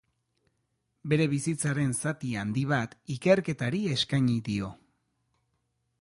Bere bizitzaren zati handi bat ikerketari eskaini dio.